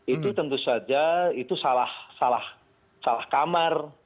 itu tentu saja itu salah kamar